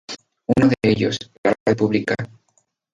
Uno de ellos, la radio pública.